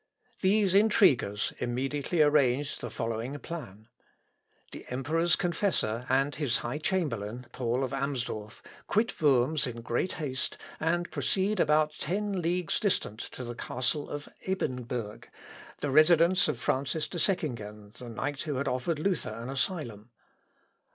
These intriguers immediately arranged the following plan. The emperor's confessor, and his high chamberlain, Paul of Armsdorff, quit Worms in great haste, and proceed about ten leagues distant, to the castle of Ebernburg, the residence of Francis de Seckingen, the knight who had offered Luther an asylum.